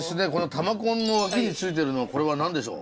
玉こんの脇についてるのはこれは何でしょう？